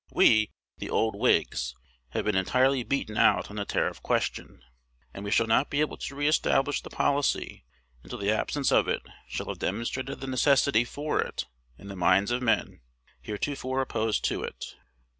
We, the old Whigs, have been entirely beaten out on the tariff question; and we shall not be able to re establish the policy until the absence of it shall have demonstrated the necessity for it in the minds of men heretofore opposed to it.